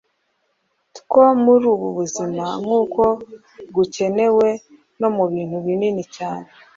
two muri ubu buzima nk’uko gukenewe no mu bintu binini cyane.